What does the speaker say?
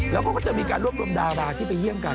แล้วเขาก็จะมีการรวบรวมดาราที่ไปเยี่ยมกัน